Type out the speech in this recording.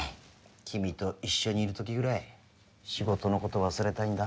君と一緒にいる時ぐらい仕事のこと忘れたいんだ。